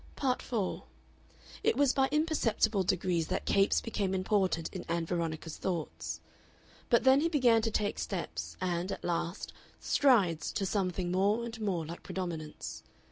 Part 4 It was by imperceptible degrees that Capes became important in Ann Veronica's thoughts. But then he began to take steps, and, at last, strides to something more and more like predominance.